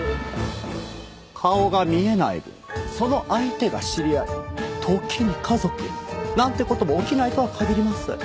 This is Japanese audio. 顔が見えない分その相手が知り合い時に家族なんて事も起きないとは限りません。